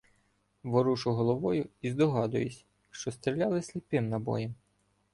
Ворушу головою і здогадуюся, що стріляли сліпим набоєм.